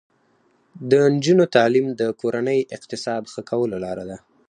د نجونو تعلیم د کورنۍ اقتصاد ښه کولو لاره ده.